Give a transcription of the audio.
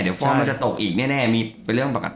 เดี๋ยวฟ้องมันจะตกอีกแน่มีเป็นเรื่องปกติ